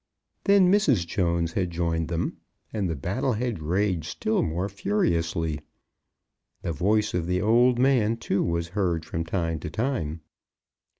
Then Mrs. Jones had joined them, and the battle had raged still more furiously. The voice of the old man, too, was heard from time to time.